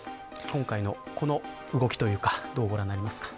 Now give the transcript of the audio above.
今回のこの動きはどうご覧になりますか。